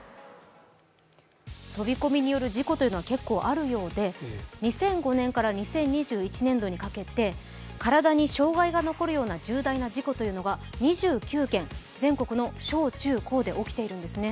飛び込みによる事故というのは結構あるようで、２００５年から２０２１年度にかけて体に障害が残るような重大事故というのが２９件、全国の小・中・高で起きているんですね。